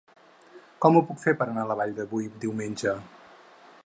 Com ho puc fer per anar a la Vall de Boí diumenge?